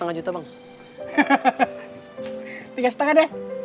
gua yang tasted